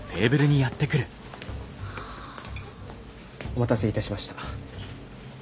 お待たせいたしました。